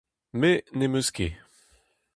Me ne'm eus ket.